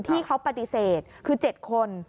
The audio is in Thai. ที่เขาปฏิเสธคือ๗คน